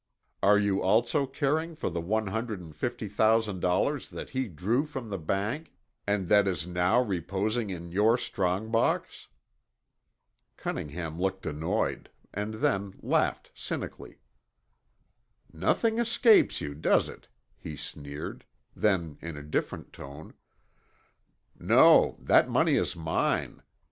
"Are you also caring for the one hundred and fifty thousand dollars that he drew from the bank and that is now reposing in your strong box?" Cunningham looked annoyed, and then laughed cynically. "Nothing escapes you, does it?" he sneered, then in a different tone, "No, that money is mine.